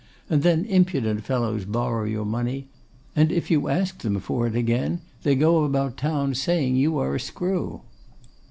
And then impudent fellows borrow your money; and if you ask them for it again, they go about town saying you are a screw.